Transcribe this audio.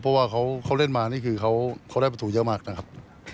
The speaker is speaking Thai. เพราะว่าเขาเล่นมานี่คือเขาได้ประตูเยอะมากนะครับ